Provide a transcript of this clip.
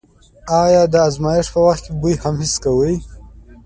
آیا د ازمایښت په وخت کې بوی هم حس کوئ؟